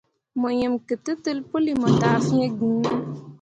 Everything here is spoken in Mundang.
Mo yim ketǝtel puuli mo taa fĩĩ giŋ ne ?